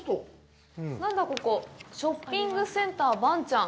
何だ、ここショッピングセンターばんちゃん。